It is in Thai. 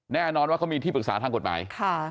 แน่นอนว่าเขามีที่ปรึกษาทางกฎหมาย